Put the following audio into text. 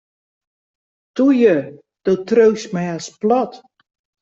Toe ju, do triuwst my hast plat.